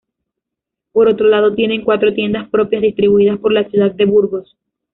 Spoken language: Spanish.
Por otro lado, tiene cuatro tiendas propias distribuidas por la ciudad de Burgos.